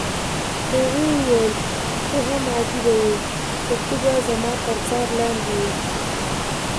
هغې وویل: ته هم عجبه يې، خو ته به زما تر څار لاندې یې.